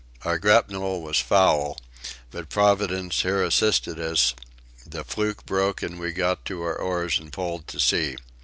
Our grapnel was foul but Providence here assisted us; the fluke broke and we got to our oars and pulled to sea.